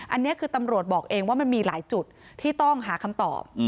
อันนี้คือตำรวจบอกเองว่ามันมีหลายจุดที่ต้องหาคำตอบ